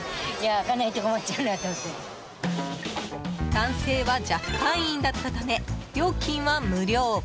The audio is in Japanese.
男性はＪＡＦ会員だったため料金は無料。